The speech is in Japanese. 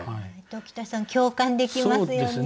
鴇田さん共感できますよね？